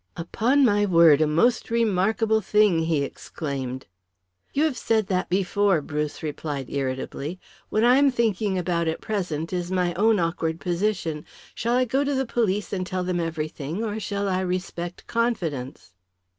"Upon my word, a most remarkable thing," he exclaimed. "You have said that before." Bruce replied irritably. "What I am thinking about at present is my own awkward position. Shall I go to the police and tell them everything or shall I respect confidence?"